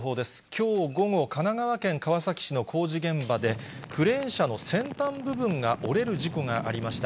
きょう午後、神奈川県川崎市の工事現場で、クレーン車の先端部分が折れる事故がありました。